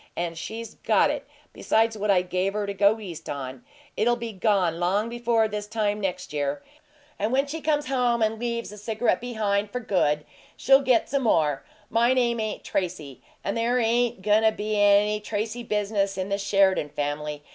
And she's got it, besides what I gave her to go East on. It'll be gone long before this time next year, and when she comes home and leaves the cigarette behind for good she'll get some more. MY name ain't Tracy, and there ain't goin' to be any Tracy business in the Sheridan family.